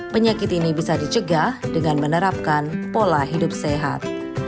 penyakit ini bisa dicegah dengan menerapkan pola hidup sehat